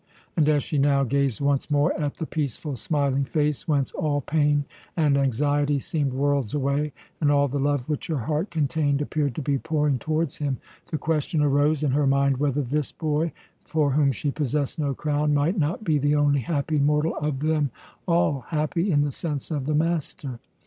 And as she now gazed once more at the peaceful, smiling face, whence all pain and anxiety seemed worlds away, and all the love which her heart contained appeared to be pouring towards him, the question arose in her mind whether this boy, for whom she possessed no crown, might not be the only happy mortal of them all happy in the sense of the master.